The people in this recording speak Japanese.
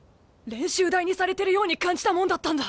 練習台にされてるように感じたもんだったんだ！